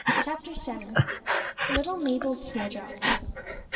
CHAPTER VII. LITTLE MABEL'S SNOWDROPS.